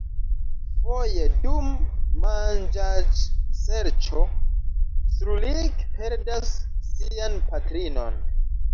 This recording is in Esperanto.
Foje dum manĝaĵserĉo Srulik perdas sian patrinon.